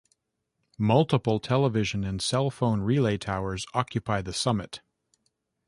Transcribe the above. Multiple television and cell phone relay towers occupy the summit.